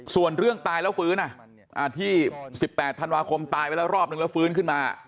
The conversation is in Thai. ส่วนเรื่องตายแล้วฟื้นที่๑๘ธันวาคมตายไปแล้วรอบนึงแล้วฟื้นขึ้นมา